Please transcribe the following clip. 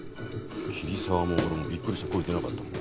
桐沢も俺もびっくりして声出なかったもん。